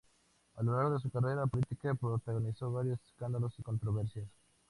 A lo largo de su carrera política protagonizó varios escándalos y controversias.